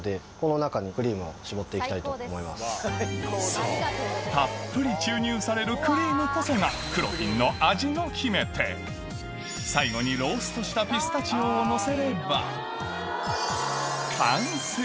そうたっぷり注入されるクリームこそがクロフィンの最後にローストしたピスタチオをのせれば完成